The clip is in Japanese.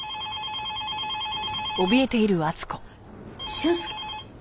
俊介？